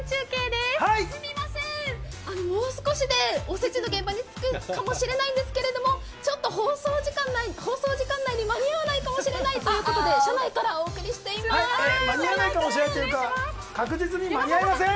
すみません、もう少しでおせちの現場に着くかもしれないですけど放送時間内に間に合わないかもしれないということで確実に間に合いません。